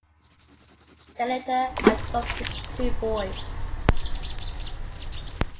They later adopted two boys.